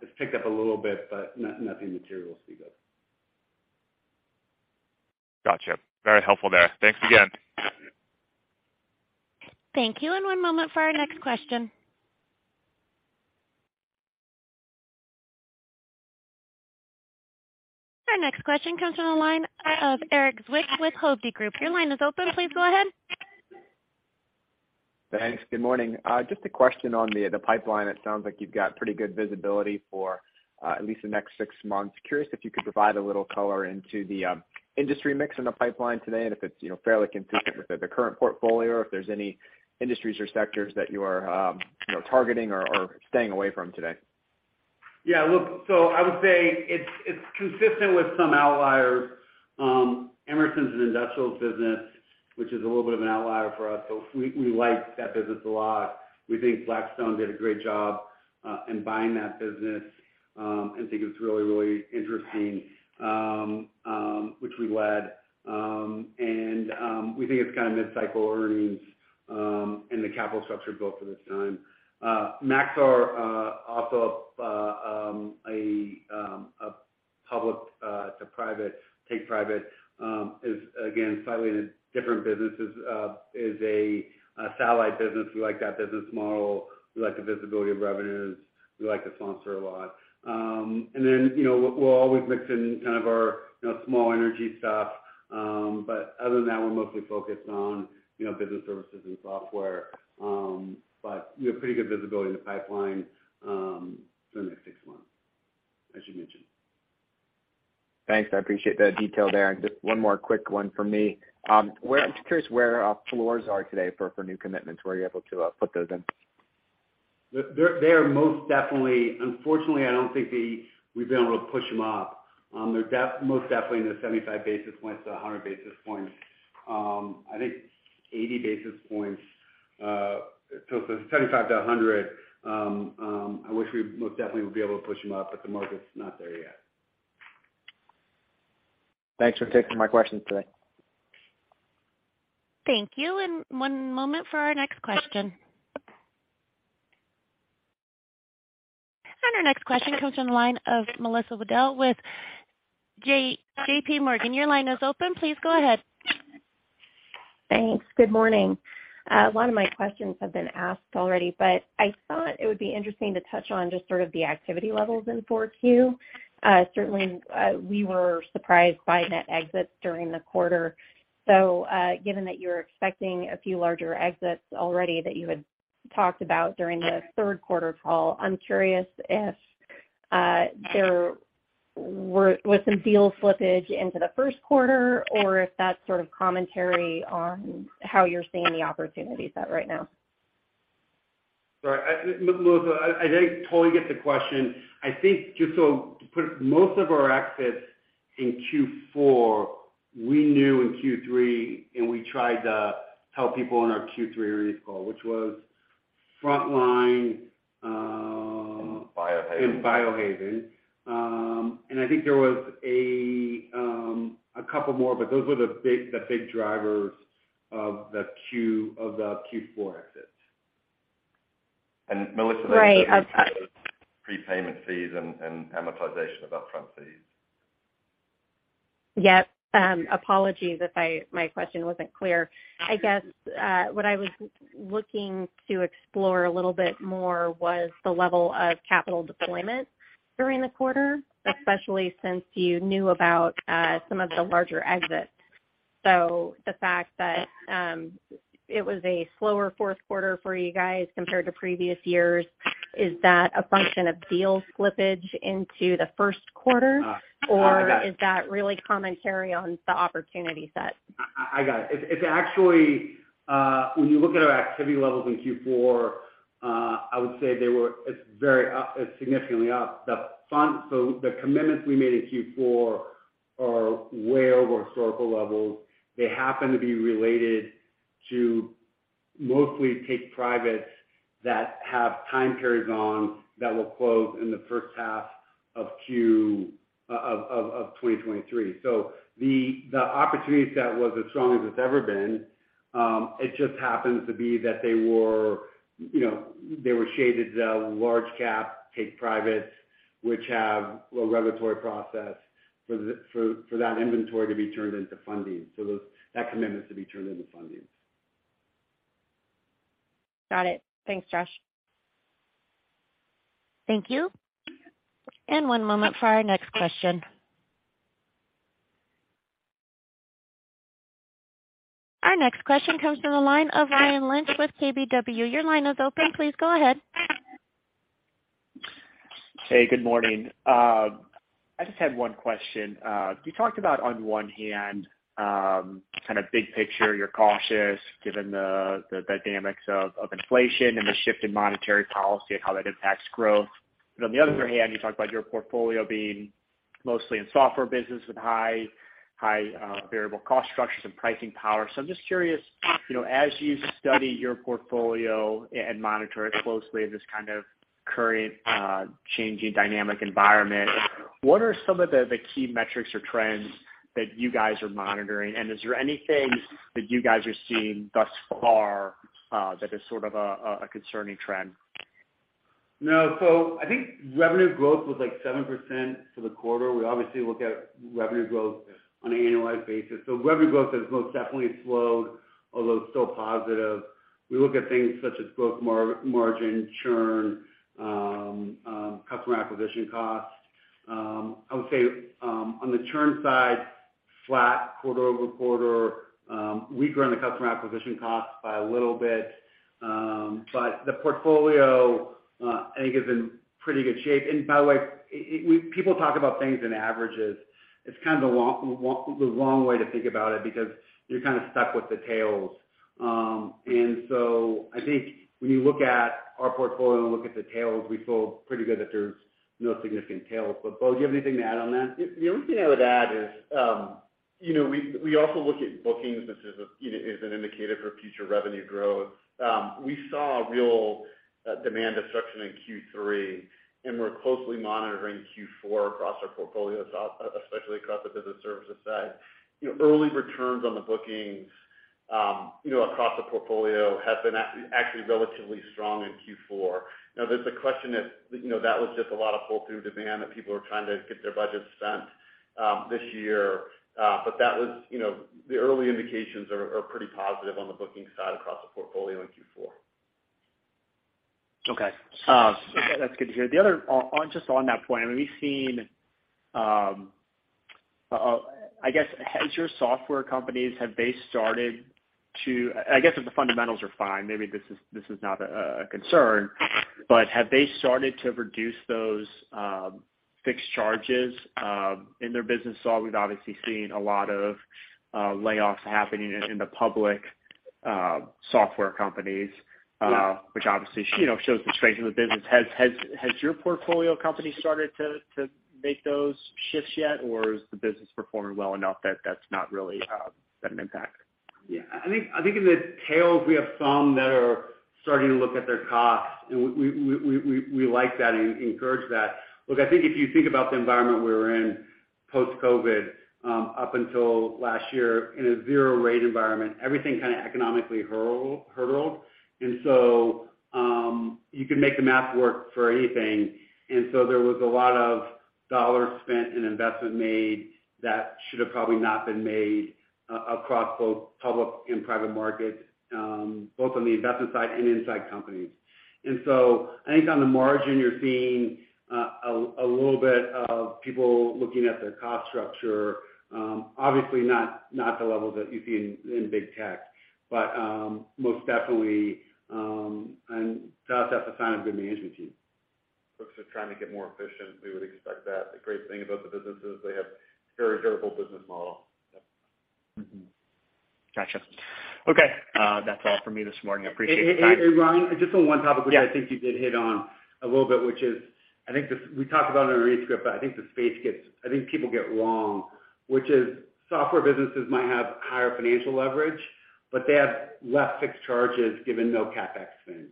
Speaker 3: it's picked up a little bit, but nothing material, Steven.
Speaker 10: Gotcha. Very helpful there. Thanks again.
Speaker 1: Thank you. One moment for our next question. Our next question comes from the line of Erik Zwick with Hovde Group. Your line is open. Please go ahead.
Speaker 11: Thanks. Good morning. Just a question on the pipeline. It sounds like you've got pretty good visibility for, at least the next six months. Curious if you could provide a little color into the industry mix in the pipeline today and if it's, you know, fairly consistent with the current portfolio, or if there's any industries or sectors that you are, you know, targeting or staying away from today.
Speaker 3: Yeah. Look, I would say it's consistent with some outliers. Emerson's an industrials business, which is a little bit of an outlier for us. We like that business a lot. We think Blackstone did a great job in buying that business. I think it's really, really interesting, which we led. We think it's kind of mid-cycle earnings, and the capital structure is built for this time. Maxar also a public to private, take private, is again, slightly in a different businesses. Is a satellite business. We like that business model. We like the visibility of revenues. We like the sponsor a lot. Then, you know, we'll always mix in kind of our, you know, small energy stuff. Other than that, we're mostly focused on, you know, business services and software. We have pretty good visibility in the pipeline, for the next six months, as you mentioned.
Speaker 11: Thanks. I appreciate the detail there. Just one more quick one from me. I'm just curious where floors are today for new commitments. Were you able to put those in?
Speaker 3: They are most definitely. Unfortunately, I don't think we've been able to push them up. They're most definitely in the 75-100 basis points. I think 80 basis points, so 75 to 100. I wish we most definitely would be able to push them up, but the market's not there yet.
Speaker 11: Thanks for taking my questions today.
Speaker 1: Thank you. One moment for our next question. Our next question comes on the line of Melissa Weadelt with JPMorgan. Your line is open. Please go ahead.
Speaker 12: Thanks. Good morning. A lot of my questions have been asked already, but I thought it would be interesting to touch on just sort of the activity levels in 4-Q. Certainly, we were surprised by net exits during the quarter. Given that you're expecting a few larger exits already that you had talked about during the third quarter call, I'm curious if there was some deal slippage into the first quarter or if that's sort of commentary on how you're seeing the opportunity set right now.
Speaker 3: Right. Melissa, I think I totally get the question. I think just so to put most of our exits in Q4, we knew in Q3, and we tried to tell people in our Q3 earnings call, which was Frontline.
Speaker 4: Biohaven.
Speaker 3: Biohaven. I think there was a couple more, but those were the big drivers of the Q4 exits.
Speaker 4: Melissa.
Speaker 12: Right.
Speaker 4: Prepayment fees and amortization of upfront fees.
Speaker 12: Yep. apologies if my question wasn't clear. I guess, what I was looking to explore a little bit more was the level of capital deployment during the quarter, especially since you knew about, some of the larger exits. The fact that, it was a slower fourth quarter for you guys compared to previous years, is that a function of deal slippage into the first quarter?
Speaker 3: I got it.
Speaker 12: Is that really commentary on the opportunity set?
Speaker 3: I got it. It's actually, when you look at our activity levels in Q4, I would say it's very up, it's significantly up. The commitments we made in Q4 are way over historical levels. They happen to be related to mostly take privates that have time periods on that will close in the first half of Q of 2023. The opportunity set was as strong as it's ever been. It just happens to be that they were, you know, they were shaded large cap, take privates, which have a regulatory process for that inventory to be turned into funding. That commitments to be turned into funding.
Speaker 12: Got it. Thanks, Josh.
Speaker 1: Thank you. One moment for our next question. Our next question comes from the line of Ryan Lynch with KBW. Your line is open. Please go ahead.
Speaker 13: Hey, good morning. I just had one question. You talked about on one hand, kind of big picture, you're cautious given the dynamics of inflation and the shift in monetary policy and how that impacts growth. On the other hand, you talk about your portfolio being mostly in software business with high, high, variable cost structures and pricing power. I'm just curious, you know, as you study your portfolio and monitor it closely in this kind of current, changing dynamic environment, what are some of the key metrics or trends that you guys are monitoring? Is there anything that you guys are seeing thus far, that is sort of a concerning trend?
Speaker 3: No. I think revenue growth was like 7% for the quarter. We obviously look at revenue growth on an annualized basis. Revenue growth has most definitely slowed, although it's still positive. We look at things such as growth margin, churn, customer acquisition costs. I would say, on the churn side, flat quarter-over-quarter. We grew on the customer acquisition costs by a little bit. But the portfolio, I think is in pretty good shape. By the way, it people talk about things in averages. It's kind of the wrong way to think about it because you're kind of stuck with the tails. I think when you look at our portfolio and look at the tails, we feel pretty good that there's no significant tails. Bo, do you have anything to add on that?
Speaker 4: The only thing I would add is, you know, we also look at bookings as, you know, as an indicator for future revenue growth. We saw a real demand destruction in Q3. We're closely monitoring Q4 across our portfolio, especially across the business services side. You know, early returns on the bookings, you know, across the portfolio have been actually relatively strong in Q4. There's a question if, you know, that was just a lot of pull-through demand that people were trying to get their budgets spent this year. That was, you know, the early indications are pretty positive on the booking side across the portfolio in Q4.
Speaker 13: Okay. That's good to hear. Just on that point, I mean, we've seen, I guess has your software companies, have they started to... I guess if the fundamentals are fine, maybe this is not a concern. Have they started to reduce those fixed charges in their business? We've obviously seen a lot of layoffs happening in the public software companies.
Speaker 3: Yeah.
Speaker 13: which obviously you know, shows the strength of the business. Has your portfolio company started to make those shifts yet? Or is the business performing well enough that that's not really been an impact?
Speaker 3: Yeah. I think in the tails, we have some that are starting to look at their costs, and we like that and encourage that. Look, I think if you think about the environment we were in post-COVID, up until last year in a zero rate environment, everything kind of economically hurdled. You can make the math work for anything. There was a lot of dollars spent and investment made that should have probably not been made across both public and private markets, both on the investment side and inside companies. I think on the margin, you're seeing a little bit of people looking at their cost structure. Obviously not the levels that you see in big tech, but most definitely, to us that's a sign of good management team.
Speaker 4: Folks are trying to get more efficient. We would expect that. The great thing about the business is they have very durable business model.
Speaker 3: Yeah.
Speaker 13: Mm-hmm. Gotcha. Okay. That's all for me this morning. I appreciate your time.
Speaker 3: Hey, hey, Ryan, just on one topic.
Speaker 13: Yeah.
Speaker 3: Which I think you did hit on a little bit, which is, I think this. We talked about it in our read script, but I think the space gets. I think people get wrong, which is software businesses might have higher financial leverage, but they have less fixed charges given no CapEx spend.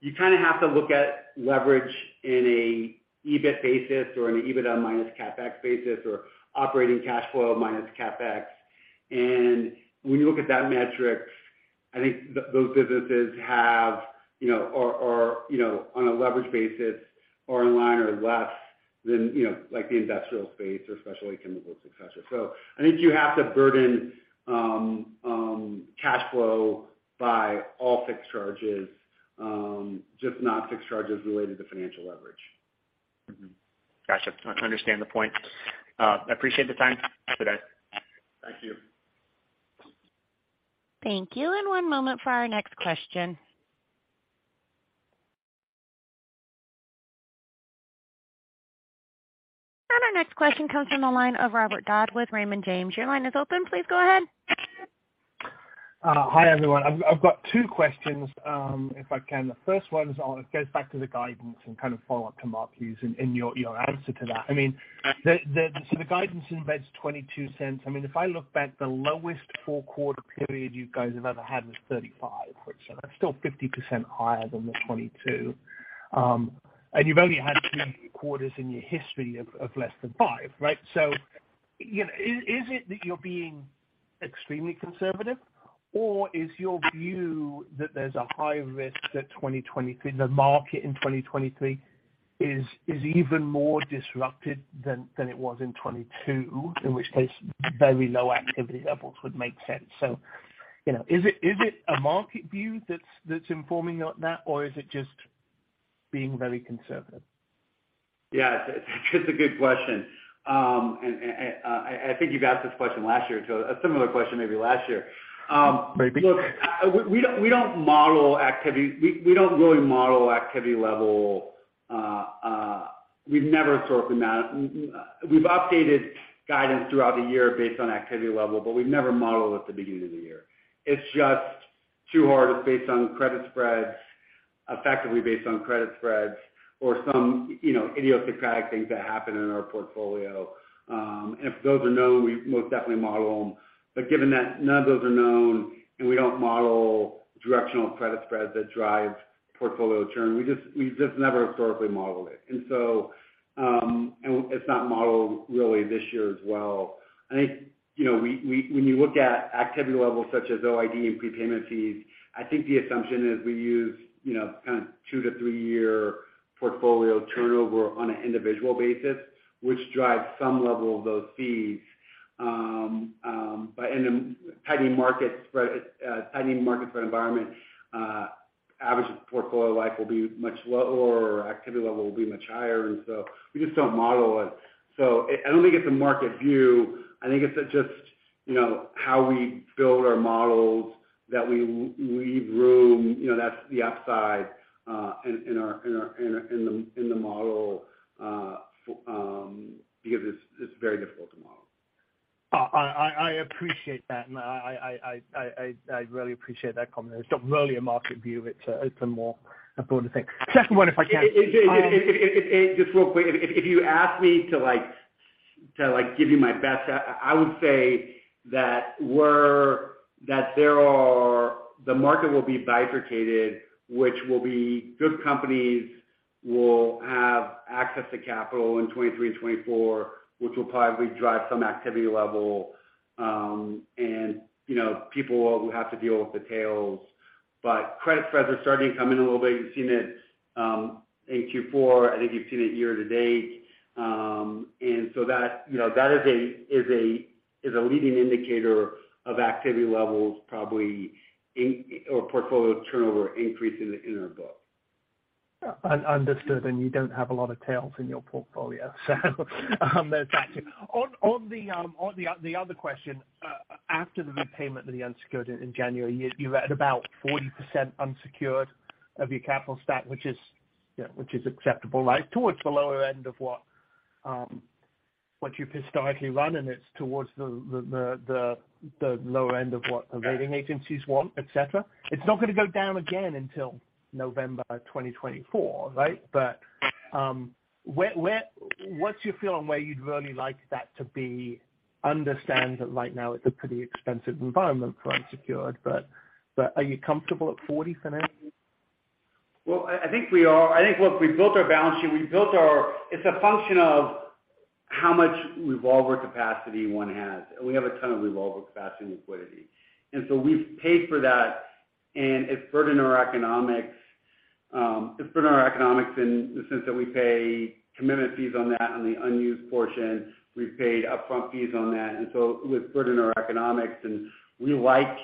Speaker 3: You kind of have to look at leverage in a EBIT basis or an EBITDA minus CapEx basis or operating cash flow minus CapEx. When you look at that metric. I think those businesses have, you know, or, you know, on a leverage basis are in line or less than, you know, like the industrial space or specialty chemicals, et cetera. I think you have to burden cash flow by all fixed charges, just not fixed charges related to financial leverage.
Speaker 5: Mm-hmm. Gotcha. No, I understand the point. I appreciate the time today.
Speaker 3: Thank you.
Speaker 1: Thank you. One moment for our next question. Our next question comes from the line of Robert Dodd with Raymond James. Your line is open. Please go ahead.
Speaker 14: Hi, everyone. I've got 2 questions, if I can. The first one goes back to the guidance and kind of follow-up to Mark Hughes in your answer to that. I mean, so the guidance embeds $0.22. I mean, if I look back, the lowest full quarter period you guys have ever had was $0.35, which that's still 50% higher than the 22. You've only had 2 quarters in your history of less than $0.05, right? So, you know, is it that you're being extremely conservative or is your view that there's a high risk that 2023 the market in 2023 is even more disrupted than it was in 2022, in which case very low activity levels would make sense. You know, is it, is it a market view that's informing on that, or is it just being very conservative?
Speaker 3: Yeah. It's a good question. I think you've asked this question last year, a similar question maybe last year.
Speaker 14: Maybe.
Speaker 3: Look, we don't model activity. We don't really model activity level. We've never sorted that. We've updated guidance throughout the year based on activity level, but we've never modeled it at the beginning of the year. It's just too hard. It's based on credit spreads, effectively based on credit spreads or some, you know, idiosyncratic things that happen in our portfolio. If those are known, we most definitely model them. Given that none of those are known and we don't model directional credit spreads that drive portfolio churn, we've just never historically modeled it. It's not modeled really this year as well. I think, you know, when you look at activity levels such as OID and prepayment fees, I think the assumption is we use, you know, kind of 2-3-year portfolio turnover on an individual basis, which drives some level of those fees. In a tightening market spread environment, average portfolio life will be much lower or activity level will be much higher. We just don't model it. I don't think it's a market view. I think it's just, you know, how we build our models that we leave room, you know, that's the upside in the model, because it's very difficult to model.
Speaker 14: I appreciate that. I really appreciate that comment. It's not really a market view. It's a more important thing. Second one, if I can.
Speaker 3: It. Just real quick. If you ask me to, like, give you my best guess, I would say that we're that there are the market will be bifurcated, which will be good companies will have access to capital in 2023 and 2024, which will probably drive some activity level. You know, people will have to deal with the tails. Credit spreads are starting to come in a little bit. You've seen it in Q4. I think you've seen it year to date. So that, you know, that is a leading indicator of activity levels probably or portfolio turnover increase in the, in our book.
Speaker 14: Un-understood, and you don't have a lot of tails in your portfolio. No, it's actually. On the other question. After the repayment of the unsecured in January, you were at about 40% unsecured of your capital stack, which is, you know, which is acceptable, right? Towards the lower end of what you've historically run, and it's towards the lower end of what the rating agencies want, et cetera. It's not gonna go down again until November 2024, right? What's your feeling where you'd really like that to be? Understand that right now it's a pretty expensive environment for unsecured. Are you comfortable at 40 for now?
Speaker 3: I think we are. I think, look, we built our balance sheet. We built our. It's a function of how much revolver capacity one has. We have a ton of revolver capacity and liquidity. We've paid for that. It's burdened our economics. It's burdened our economics in the sense that we pay commitment fees on that on the unused portion. We've paid upfront fees on that. We've burdened our economics, and we like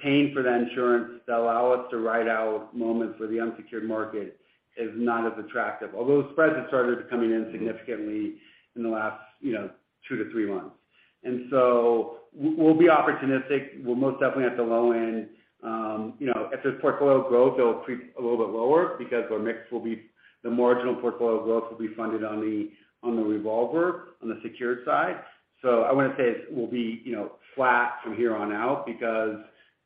Speaker 3: paying for that insurance to allow us to ride out moments where the unsecured market is not as attractive. Although spreads have started coming in significantly in the last, you know, two to three months. We'll be opportunistic. We'll most definitely at the low end. You know, if there's portfolio growth, it'll creep a little bit lower because our mix will be the marginal portfolio growth will be funded on the, on the revolver on the secured side. I wouldn't say it will be, you know, flat from here on out because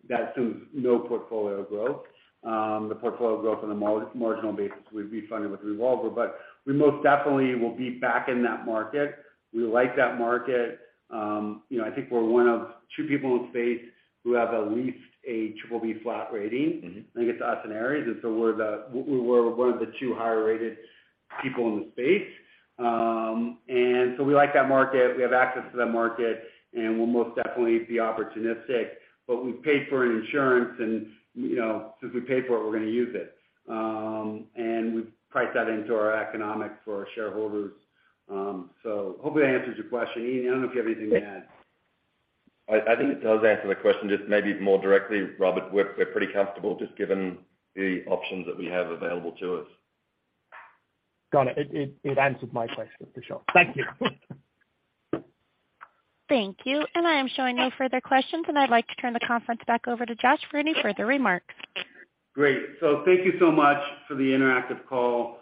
Speaker 3: that assumes no portfolio growth. The portfolio growth on a marginal basis would be funded with revolver. We most definitely will be back in that market. We like that market. You know, I think we're one of two people in the space who have at least a triple B flat rating.
Speaker 14: Mm-hmm.
Speaker 3: I think it's us and Ares. We're one of the two higher rated people in the space. We like that market. We have access to that market, and we'll most definitely be opportunistic. We've paid for an insurance and, you know, since we paid for it, we're gonna use it. We've priced that into our economics for our shareholders. Hopefully that answers your question. Ian, I don't know if you have anything to add.
Speaker 5: I think it does answer the question. Just maybe more directly, Robert, we're pretty comfortable just given the options that we have available to us.
Speaker 14: Got it. It answered my question for sure. Thank you.
Speaker 1: Thank you. I am showing no further questions, and I'd like to turn the conference back over to Josh for any further remarks.
Speaker 3: Great. Thank you so much for the interactive call.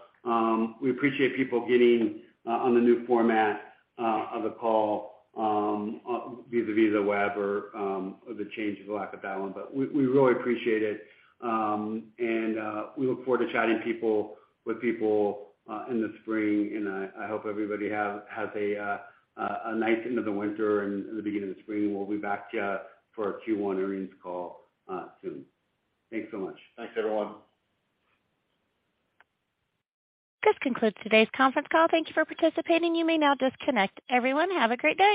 Speaker 3: We appreciate people getting on the new format of the call, vis-a-vis the web or the change of the lack of dial-in. We really appreciate it. We look forward to chatting with people in the spring. I hope everybody has a nice end of the winter and the beginning of the spring. We'll be back for our Q1 earnings call soon. Thanks so much.
Speaker 5: Thanks, everyone.
Speaker 1: This concludes today's conference call. Thank you for participating. You may now disconnect. Everyone, have a great day.